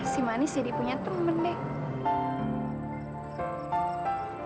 si manis jadi punya temen deh